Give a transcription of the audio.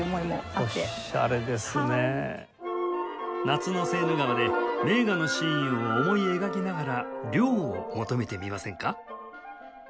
夏のセーヌ川で名画のシーンを思い描きながら涼を求めてみませんか？